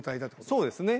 そうですね。